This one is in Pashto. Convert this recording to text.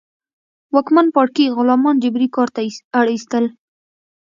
واکمن پاړکي غلامان جبري کار ته اړ اېستل.